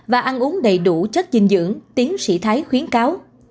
và ăn uống đầy đủ chất dinh dưỡng tiến sĩ thái khuyến cáo